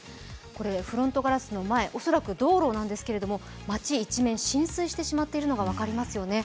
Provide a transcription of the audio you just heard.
これ、フロントガラスの前恐らく道路なんですけど街一面、浸水してしまっているのが分かりますよね。